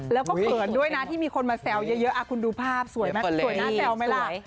แล้วก็เขินด้วยนะที่มีคนมาแซวเยอะคุณดูภาพสวยไหมสวยหน้าแซวไหมล่ะ